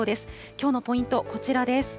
きょうのポイント、こちらです。